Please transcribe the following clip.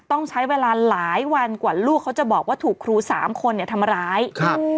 ต้องใช้เวลาหลายวันกว่าลูกเขาจะบอกว่าถูกครูสามคนเนี่ยทำร้ายครับ